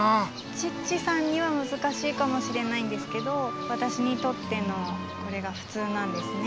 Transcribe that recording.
チッチさんにはむずかしいかもしれないんですけどわたしにとってのこれがふつうなんですね。